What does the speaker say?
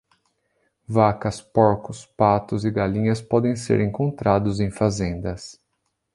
Vacas, porcos, patos e galinhas podem ser encontrados em fazendas